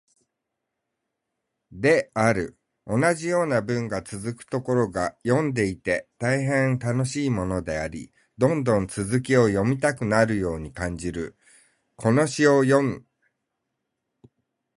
宮沢賢治のアメニモマケズという詩があるが私はこの詩が大変好きである。同じような文がつづくところが読んでいて大変楽しいものであり、どんどん続きを読みたくなるように感じる。この詩を読んでから、彼の他の作品も読んでみたいと思った。